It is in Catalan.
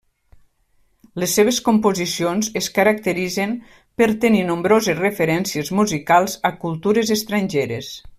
Les seves composicions es caracteritzen per tenir nombroses referències musicals a cultures estrangeres.